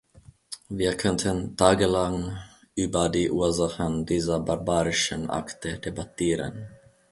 Wir könnten tagelang über die Ursachen dieser barbarischen Akte debattieren.